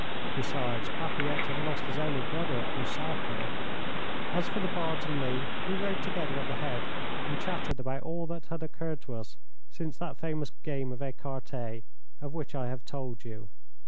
Besides, Papilette had lost his only brother at Busaco. As for the Bart and me, we rode together at the head and chatted about all that had occurred to us since that famous game of écarté of which I have told you.